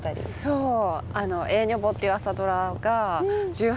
そう。